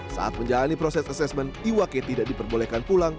saat menjalani proses asesmen iwake tidak diperbolehkan pulang